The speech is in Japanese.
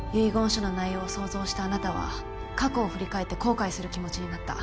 書の内容を想像したあなたは過去を振り返って「後悔」する気持ちになった。